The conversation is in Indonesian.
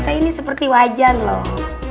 kayak ini seperti wajan loh